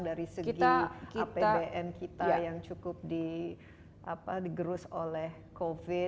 dari segi apbn kita yang cukup digerus oleh covid